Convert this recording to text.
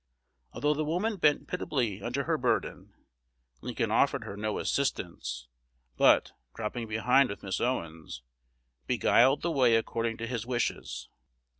Although the woman bent pitiably under her burden, Lincoln offered her no assistance, but, dropping behind with Miss Owens, beguiled the way according to his wishes.